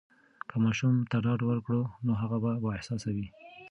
که ماشوم ته ډاډ ورکړو، نو هغه به بااحساسه سي.